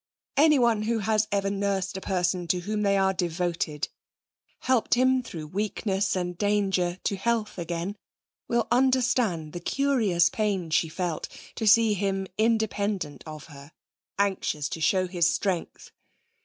Anyone who has ever nursed a person to whom they are devoted, helped him through weakness and danger to health again, will understand the curious pain she felt to see him independent of her, anxious to show his strength.